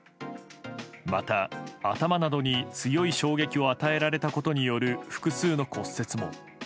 また、頭などに強い衝撃を与えられたことによる複数の骨折も。